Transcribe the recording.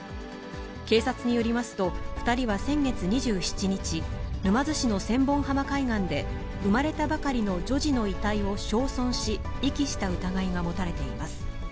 警察によりますと、２人は先月２７日、沼津市の千本浜海岸で、生まれたばかりの女児の遺体を焼損し、遺棄した疑いが持たれています。